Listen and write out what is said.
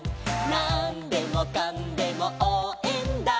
「なんでもかんでもおうえんだ！！」